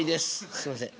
すみません。